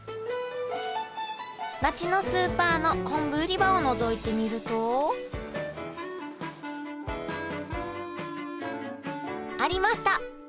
町のスーパーの昆布売り場をのぞいてみるとありました！